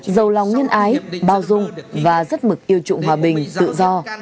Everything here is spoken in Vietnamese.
giàu lòng nhân ái bao dung và rất mực yêu trụng hòa bình tự do